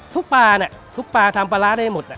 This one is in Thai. ปลาเนี่ยทุกปลาทำปลาร้าได้หมด